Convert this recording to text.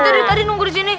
kita dari tadi nunggu disini